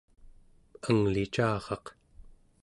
anglicaraq